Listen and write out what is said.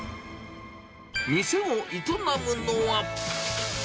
店を営むのは。